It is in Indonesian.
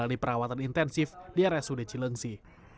menjalani perawatan intensif di area sudeci yuningsih